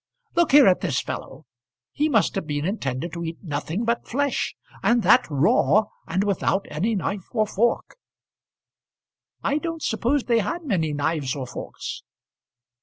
Look here at this fellow; he must have been intended to eat nothing but flesh; and that raw, and without any knife or fork." "I don't suppose they had many knives or forks."